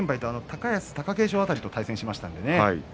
高安、貴景勝辺りと対戦しました。